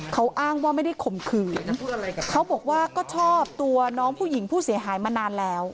เขาอ้างว่าไม่ได้ข่มขืนเขาบอกว่าก็ชอบตัวน้องผู้หญิงผู้เสียหายมานานแล้ว